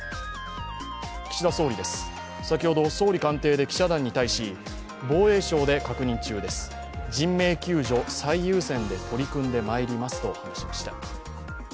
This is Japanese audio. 岸田総理です、先ほど総理官邸で記者団に対し防衛省で確認中です、人命救助最優先で取り組んでまいりますと話しました。